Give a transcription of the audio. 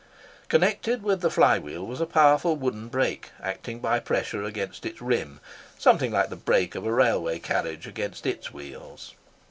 Connected with the fly wheel was a powerful wooden brake, acting by pressure against its rim, something like the brake of a railway carriage against its wheels.